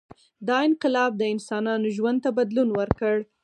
• دا انقلاب د انسانانو ژوند ته بدلون ورکړ.